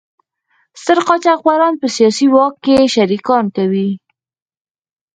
ستر قاچاقبران په سیاسي واک کې شریکان کوي.